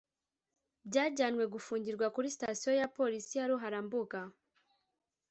bajyanwe gufungirwa kuri Sitasiyo ya Polisi ya Ruharambuga